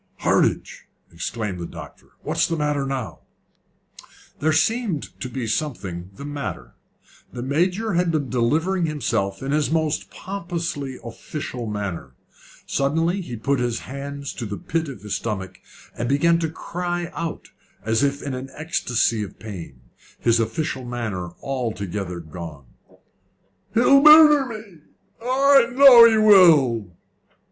"Hardinge!" exclaimed the doctor; "what's the matter now?" There seemed to be something the matter. The Major had been delivering himself in his most pompously official manner. Suddenly he put his hands to the pit of his stomach, and began to cry out as if in an ecstacy of pain, his official manner altogether gone. "He'll murder me! I know he will!"